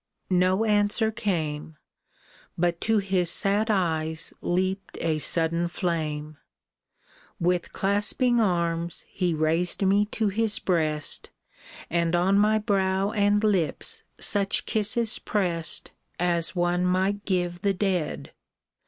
No answer came, But to his sad eyes leaped a sudden flame ; With clasping arms he raised me to his breast And on my brow and lips such kisses pressed As one might give the dead.